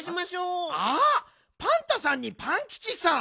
あパンタさんにパンキチさん。